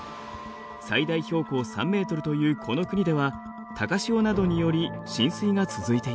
最大標高３ｍというこの国では高潮などにより浸水が続いています。